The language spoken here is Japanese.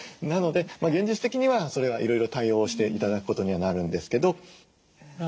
なので現実的にはそれはいろいろ対応して頂くことにはなるんですけど。